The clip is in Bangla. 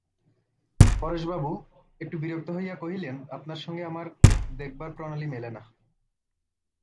পরেশবাবু একটু বিরক্ত হইয়া কহিলেন, আপনার সঙ্গে আমার দেখবার প্রণালী মেলে না।